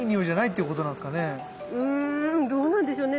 うんどうなんでしょうね。